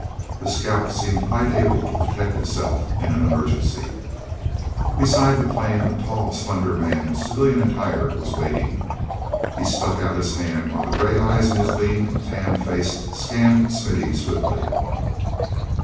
The scout seemed quite able to protect itself in an emergency. Beside the plane a tall, slender man in civilian attire was waiting. He stuck out his hand, while the gray eyes in his lean, tanned face scanned Smithy swiftly.